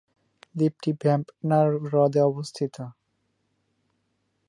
দ্বীপটি ভেম্বনাড় হ্রদে অবস্থিত।